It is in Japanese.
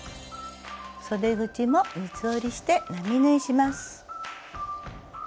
そで口も三つ折りして並縫いします。